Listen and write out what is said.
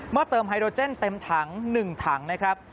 เติมไฮโดรเจนเต็มถัง๑ถังนะครับ